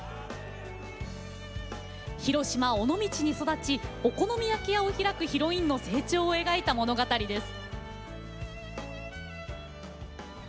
広島・尾道に育ちお好み焼き屋を開くヒロインの成長を描いた物語です。